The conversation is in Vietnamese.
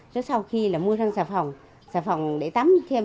rồi sau khi là mua răng xà phòng xà phòng để tắm thêm